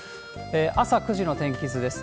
朝９時の天気図です。